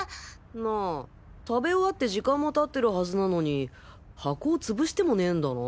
なあ食べ終わって時間もたってるはずなのに箱をつぶしてもねえんだな。